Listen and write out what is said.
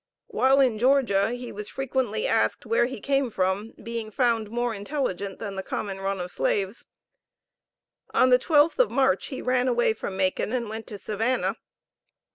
While in Georgia he was frequently asked where he came from, being found more intelligent than the common run of slaves. On the 12th of March he ran away from Macon and went to Savannah.